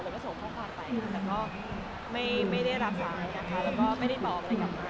ซึ่งต้องกระบว่าขอโทษจริง